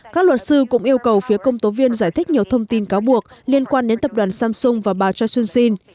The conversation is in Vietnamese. các luật sư cũng yêu cầu phía công tố viên giải thích nhiều thông tin cáo buộc liên quan đến tập đoàn samsung và bà choi soon sin